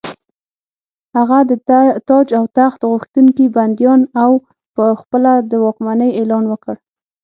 هغه د تاج او تخت غوښتونکي بندیان او په خپله د واکمنۍ اعلان وکړ.